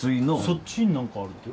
そっちに何かあるけど。